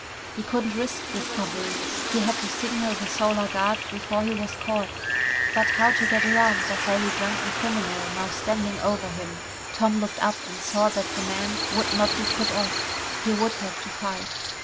He couldn't risk discovery. He had to signal the Solar Guard before he was caught. But how to get around the hairy, drunken criminal now standing over him? Tom looked up and saw that the man would not be put off. He would have to fight.